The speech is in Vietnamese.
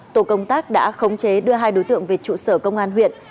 tổ công tác đã khống chế đưa hai đối tượng về trụ sở công an huyện